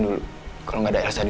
gue bakalan pergi dari sini